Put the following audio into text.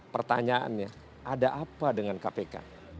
pertanyaannya ada apa dengan kpk